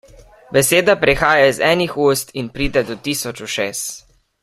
Beseda prihaja iz enih ust in pride do tisoč ušes.